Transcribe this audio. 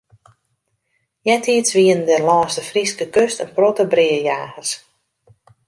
Eartiids wienen der lâns de Fryske kust in protte breajagers.